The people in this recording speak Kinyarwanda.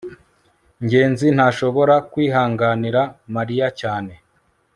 ngenzi ntashobora kwihanganira mariya cyane